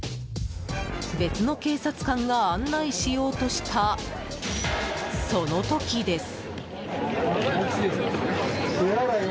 別の警察官が案内しようとしたその時です。